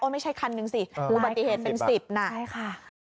ไม่ใช่คันหนึ่งสิอุบัติเหตุเป็น๑๐นะ